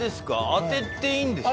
当てていいんですか？